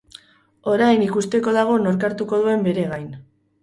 Orain, ikusteko dago nork hartuko duen bere gain.